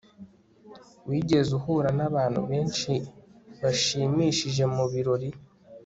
wigeze uhura nabantu benshi bashimishije mubirori